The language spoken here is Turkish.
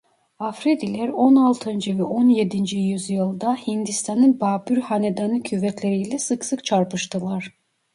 Afridiler on altıncı ve on yedinci yüzyılda Hindistan'ın Babür hanedanı kuvvetleriyle sık sık çarpıştılar.